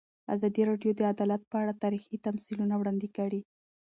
ازادي راډیو د عدالت په اړه تاریخي تمثیلونه وړاندې کړي.